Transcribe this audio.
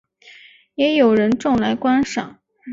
也有人种来观赏。